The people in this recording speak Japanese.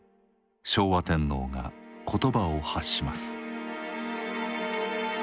昭和天皇が言葉を発します。